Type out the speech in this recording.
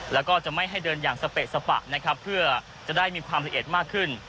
แล้วก็จะไม่ให้เดินอย่างสเปะสปะนะครับเพื่อจะได้มีความละเอียดมากขึ้น